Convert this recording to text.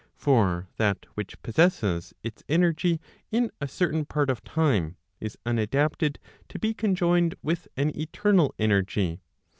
For that which possesses its energy in a certain part of time, is unadapted to be conjoined with an eternal energy.